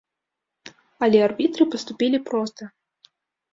Але арбітры паступілі проста.